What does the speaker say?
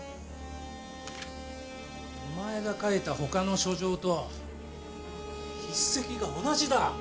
お前が書いた他の書状と筆跡が同じだ。